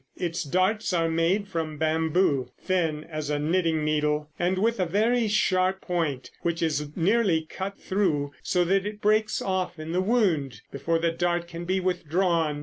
Its darts are made from bamboo, thin as a knitting needle, and with a very sharp point, which is nearly cut through, so that it breaks off in the wound before the dart can be withdrawn.